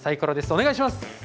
お願いします！